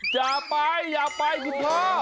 อย่าไปอย่าไปคุณพ่อ